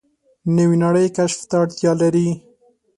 نوې نړۍ کشف ته اړتیا لري